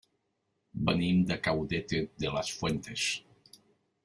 Venim de Caudete de las Fuentes.